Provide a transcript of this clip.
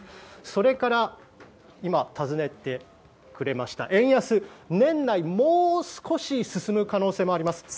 それから今尋ねてくれました円安は年内もう少し進む可能性があります。